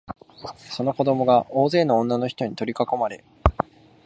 その子供が大勢の女のひとに取りかこまれ、